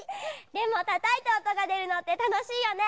でもたたいておとがでるのってたのしいよね。